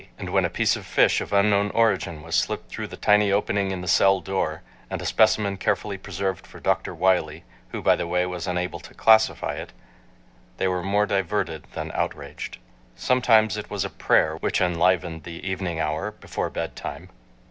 And when a piece of fish of unknown origin was slipped through the tiny opening in the cell door, and a specimen carefully preserved for Dr. Wiley—who, by the way, was unable to classify it—they were more diverted than outraged. Sometimes it was a "prayer" which enlivened the evening hour before bedtime.